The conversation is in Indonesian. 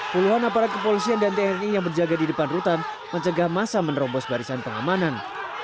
puluhan aparat kepolisian dan tni yang berjaga di depan rutan mencegah masa menerobos barisan pengamanan